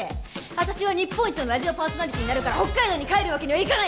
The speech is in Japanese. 私は日本一のラジオパーソナリティーになるから北海道に帰るわけにはいかない！